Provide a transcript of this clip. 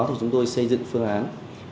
thì chúng tôi xây dựng phương án